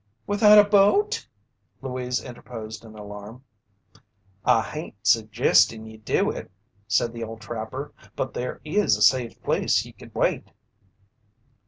"Without a boat?" Louise interposed in alarm. "I hain't suggestin' ye do it," said the old trapper. "But there is a safe place ye could wait."